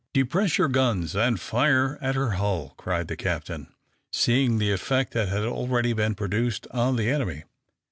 "Depress your guns and fire at her hull!" cried the captain, seeing the effect that had already been produced on the enemy.